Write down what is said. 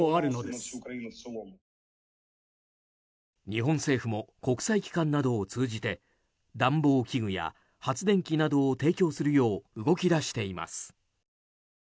日本政府も国際機関などを通じて暖房器具や発電機などを提供するよう動き出しています。